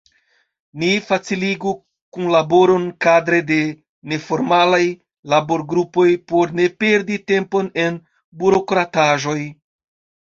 Ni faciligu kunlaboron kadre de neformalaj laborgrupoj por ne perdi tempon en burokrataĵoj.